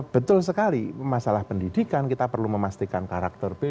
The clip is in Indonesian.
betul sekali masalah pendidikan kita perlu memastikan karakter budaya